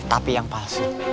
tapi yang palsu